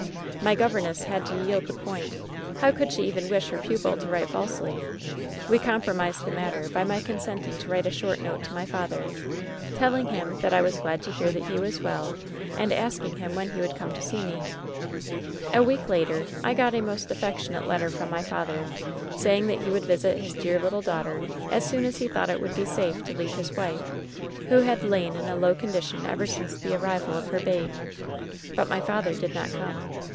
"My governess had to yield the point. How could she even wish her pupil to write falsely? We com promised the matter by my consenting to write a short note to my father, telling him that I was glad to hear WHEN SHADOWS DIE 147 that he was weD, and askiiig him when he woold eome to see me. '^A week hiter I ffjft a most affectionate letter from mj father, saying that he wonld visit his Mear little dan;^ ter' as soon as he thought it wonld he safe to leave his wife, who had lain in a low condition ever since the arrival of her habe. *^nt my father did not come.